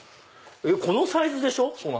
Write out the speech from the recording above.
このサイズでしょ？